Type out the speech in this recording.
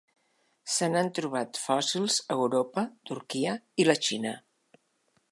Se n'han trobat fòssils a Europa, Turquia i la Xina.